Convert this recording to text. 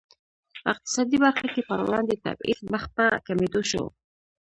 په اقتصادي برخه کې پر وړاندې تبعیض مخ په کمېدو شو.